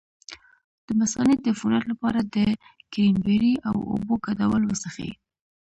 د مثانې د عفونت لپاره د کرینبیري او اوبو ګډول وڅښئ